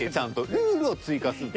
ルールを追加するんだよ。